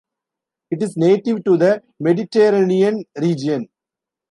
It is native to the Mediterranean region.